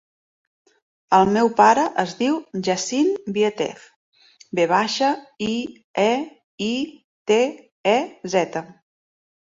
El meu pare es diu Yassine Vieitez: ve baixa, i, e, i, te, e, zeta.